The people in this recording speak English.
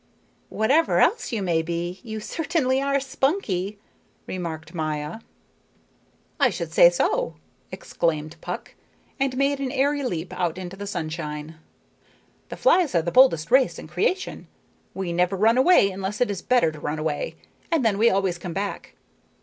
"Whatever else you may be, you certainly are spunky," remarked Maya. "I should say so," exclaimed Puck, and made an airy leap out into the sunshine. "The flies are the boldest race in creation. We never run away unless it is better to run away, and then we always come back.